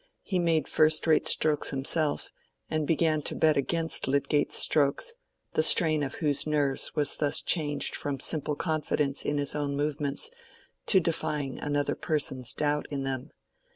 He made first rate strokes himself, and began to bet against Lydgate's strokes, the strain of whose nerves was thus changed from simple confidence in his own movements to defying another person's doubt in them.